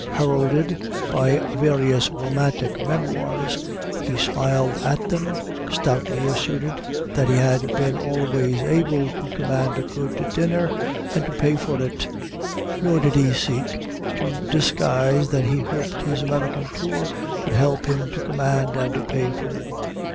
Heralded by various romantic memoirs, he smiled at them, stoutly asserted that he had been always able to command a good dinner, and to pay for it; nor did he seek to disguise that he hoped his American tour would help him to command and pay for more.